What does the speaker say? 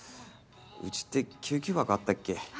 うちって救急箱あったっけ？